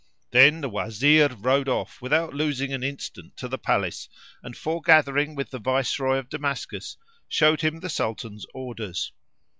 Then the Wazir rode off without losing an instant to the Palace and, foregathering with the Viceroy of Damascus, showed him the Sultan's orders.